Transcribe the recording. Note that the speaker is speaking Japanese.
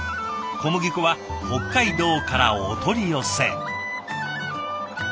小麦粉は北海道からお取り寄せ。